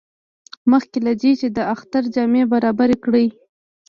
مخکې له دې چې د اختر جامې برابرې کړي.